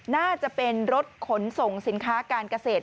น่าจะเป็นรถขนส่งสินค้าการเกษตร